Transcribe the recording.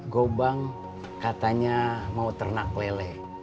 gobang katanya mau ternak lele